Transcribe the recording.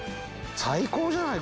最高じゃない？